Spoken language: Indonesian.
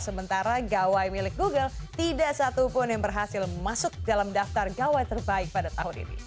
sementara gawai milik google tidak satupun yang berhasil masuk dalam daftar gawai terbaik pada tahun ini